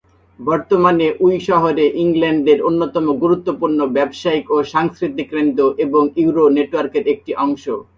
বর্তমানে উই শহর ইংল্যান্ডের অন্যতম গুরুত্বপূর্ণ ব্যবসায়িক ও সাংস্কৃতিক কেন্দ্র এবং ইউরো নেটওয়ার্কের একটি অংশ।